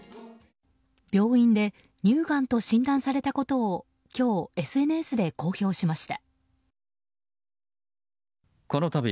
病院で乳がんと診断されたことを今日、ＳＮＳで公表しました。